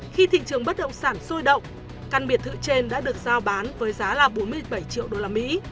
khi thị trường bất động sản sôi động căn biệt thự trên đã được giao bán với giá bốn mươi bảy triệu usd